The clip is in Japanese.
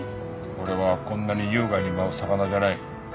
俺はこんなに優雅に舞う魚じゃない。